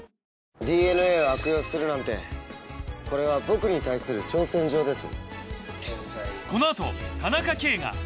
ＤＮＡを悪用するなんてこれは僕に対する挑戦状です。